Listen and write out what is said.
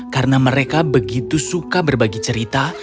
karena mereka begitu suka berbagi cerita